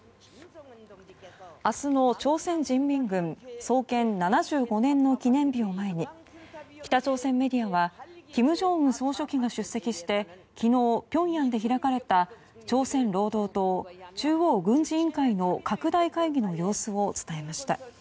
明日の朝鮮人民軍創建７５年の記念日を前に北朝鮮メディアは金正恩総書記が出席して昨日、ピョンヤンで開かれた朝鮮労働党中央軍事委員会の拡大会議の様子を伝えました。